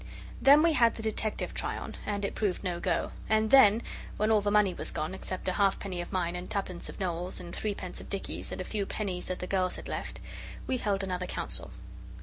Then we had the detective try on and it proved no go; and then, when all the money was gone, except a halfpenny of mine and twopence of Noel's and three pence of Dicky's and a few pennies that the girls had left, we held another council.